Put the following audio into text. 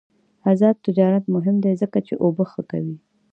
آزاد تجارت مهم دی ځکه چې اوبه ښه کوي.